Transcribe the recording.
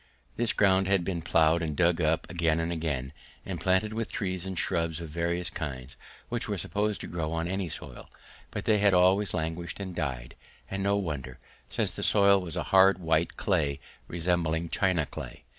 This ground had been ploughed and dug up again and again, and planted with trees and shrubs of various kinds which were supposed to grow on any soil, but they had always languished and died, and no wonder, since the soil was a hard white clay resembling china clay.